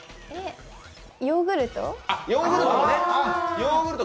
ヨーグルト？